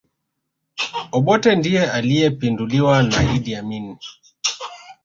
obotte ndiye aliyepinduliwa na idd amini